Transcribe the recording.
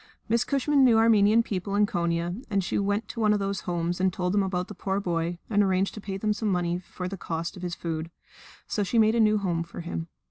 Miss Cushman knew Armenian people in Konia, and she went to one of these homes and told them about the poor boy and arranged to pay them some money for the cost of his food. So she made a new home for him.